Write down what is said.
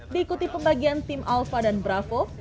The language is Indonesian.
diikuti pembagian tim alfa dan bravo